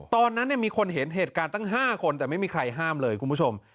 ตอนนั้นมีคนเห็นเหตุการณ์ตั้ง๕คนแต่ไม่มีใครห้ามเลยคุณผู้ชม